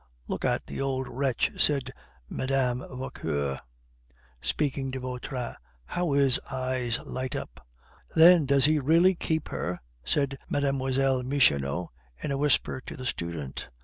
"Look at the old wretch," said Mme. Vauquer, speaking to Vautrin; "how his eyes light up!" "Then does he really keep her?" said Mlle. Michonneau, in a whisper to the student.